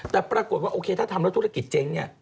แต่ปรากฏว่าโอเคถ้าทำแล้วธุรกิจเจ๊งเนี่ย